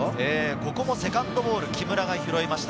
ここもセカンドボールを木村が拾いました。